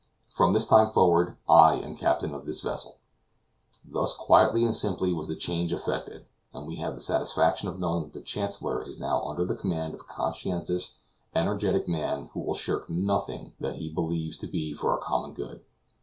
From this time forward, I am captain of this vessel." Thus quietly and simply was the change effected, and we have the satisfaction of knowing that the Chancellor is now under the command of a conscientious, energetic man, who will shirk nothing that he believes to be for our common good.